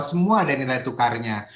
semua ada nilai tukarnya